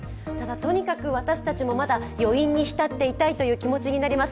とにかく私たちもまだ余韻に浸っていたいという気持ちになります。